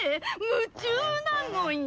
夢中なのよ」